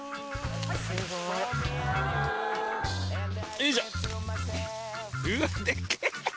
よいしょ。